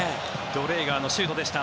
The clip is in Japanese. ドレーガーのシュートでした。